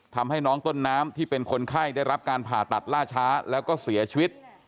ทำให้น้องต้นน้ำที่เป็นคนไข้ได้รับการผ่าตัดล่าช้าแล้วก็เสียชีวิต